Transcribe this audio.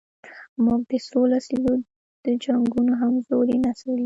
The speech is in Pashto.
موږ د څو لسیزو د جنګونو همزولی نسل یو.